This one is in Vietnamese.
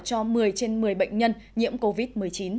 cho một mươi trên một mươi bệnh nhân nhiễm covid một mươi chín